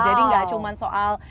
jadi gak cuma soal